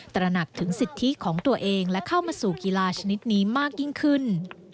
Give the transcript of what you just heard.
ตระหนักถึงสิทธิของตัวเองและเข้ามาสู่กีฬาชนิดนี้มากยิ่งขึ้น